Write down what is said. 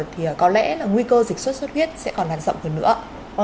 thì có lẽ là nguy cơ dịch sốt xuất huyết sẽ còn làn rộng hơn nữa